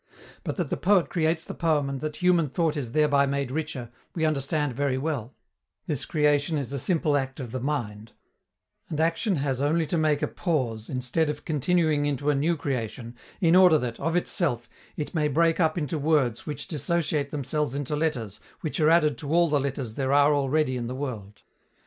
But that the poet creates the poem and that human thought is thereby made richer, we understand very well: this creation is a simple act of the mind, and action has only to make a pause, instead of continuing into a new creation, in order that, of itself, it may break up into words which dissociate themselves into letters which are added to all the letters there are already in the world.